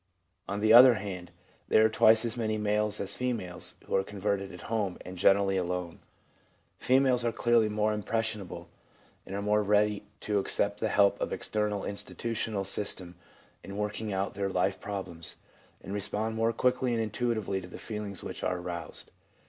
On the other hand, there are twice as many males as females who are converted at home, and generally alone. Females are clearly more impressionable, are more ready to accept the help of the external institutional system in working out their life problems, and respond more quickly and intuitively to the feelings which are aroused.